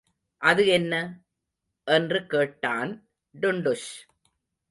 அது என்ன? என்று கேட்டான் டுன்டுஷ்.